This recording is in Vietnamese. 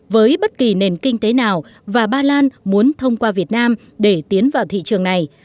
với bất kỳ nền kinh tế nào và ba lan muốn thông qua việt nam để tiến vào thị trường này